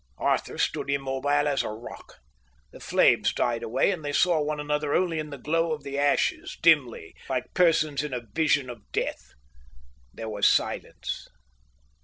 Arthur stood immobile as a rock. The flames died away, and they saw one another only by the glow of the ashes, dimly, like persons in a vision of death. There was silence.